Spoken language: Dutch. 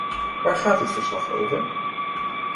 Waar gaat dit verslag over?